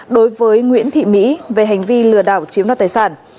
đối với nguyễn thị mỹ về hành vi lừa đảo chiếm đoạt tài sản